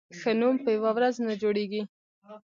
ښه نوم په یوه ورځ نه جوړېږي.